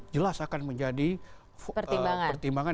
jelas akan menjadi pertimbangan